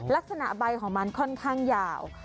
ลักษณะใบของมันค่อนข้างยาว